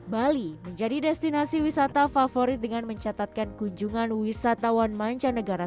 bali menjadi destinasi wisata favorit dengan mencatatkan kunjungan wisatawan mancanegara